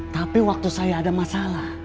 tapi waktu saya ada masalah